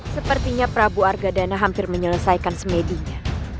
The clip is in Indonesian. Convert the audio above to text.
sepertinya prabu argadana hampir menyelesaikan smedinya